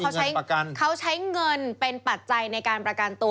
เขาใช้เขาใช้เงินเป็นปัจจัยในการประกันตัว